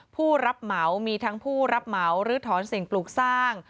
ผู้รับเหมามีทั้งผู้รับเหมาลื้อถอนสิ่งปลูกสร้าง